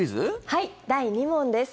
はい、第２問です。